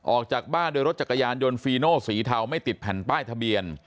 ออกจากบ้านโดยรถจักรยานยนต์ฟีโนสีเทาไม่ติดแผ่นป้ายทะเบียน